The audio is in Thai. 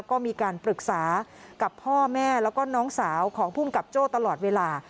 ก็มีการปรึกษากับพ่อแม่แล้วก็น้องสาวของภูมิกับโจ้ตลอดเวลา